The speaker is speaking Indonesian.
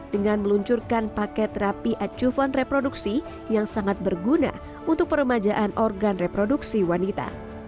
dengan meluncurkan paket terapi acuan reproduksi yang sangat berguna untuk peremajaan organ reproduksi wanita